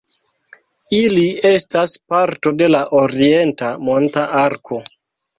Ili estas parto de la Orienta Monta Arko.